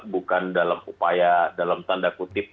bukan dalam upaya dalam tanda kutip